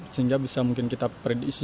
sehingga bisa mungkin kita prediksi